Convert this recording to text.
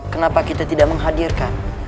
kenapa kita tidak menghadirkan